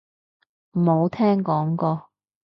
冇聽講過